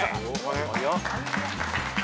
・早っ。